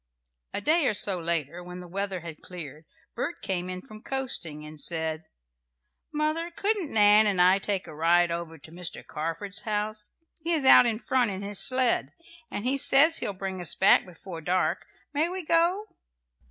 A day or so later, when the weather had cleared, Bert came in from coasting, and said, "Mother, couldn't Nan and I take a ride over to Mr. Carford's house? He is out in front in his sled, and he says he'll bring us back before dark. May we go?"